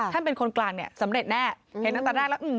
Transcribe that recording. เป็นคนกลางเนี่ยสำเร็จแน่เห็นตั้งแต่แรกแล้ว